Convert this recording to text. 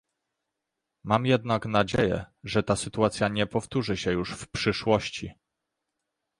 Mam jednak nadzieję, że ta sytuacja nie powtórzy się już w przyszłości